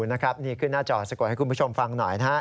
นี่ขึ้นหน้าจอสะกดให้คุณผู้ชมฟังหน่อยนะฮะ